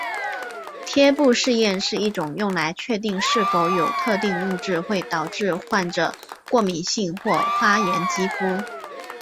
贴布试验是一种用来确定是否有特定物质会导致患者过敏性或发炎肌肤。